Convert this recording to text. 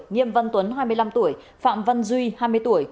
nghiêm văn tuấn hai mươi năm tuổi phạm văn duy hai mươi tuổi